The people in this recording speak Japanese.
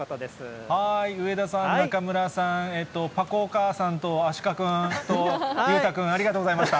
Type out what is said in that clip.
上田さん、中村さん、パコお母さんとアシカくんと裕太君、ありがとうございました。